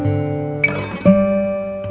terima kasih ya mas